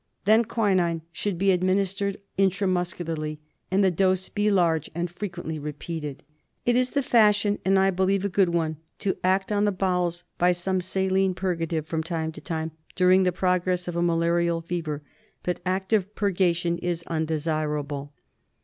Then quinine should be administered intra muscularly, and the dose be large and frequently repeated. It is the fashion, and I believe a good one, to act on the bowels by some saline purgative from time to time during the progress of a malarial fever, but active purga tion is undesirable.